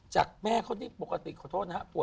จากแม่เขานี่ปกติขอโทษนะครับ